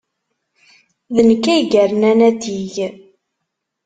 D nekk ay yernan atig.